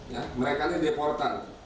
ya mereka ini deportan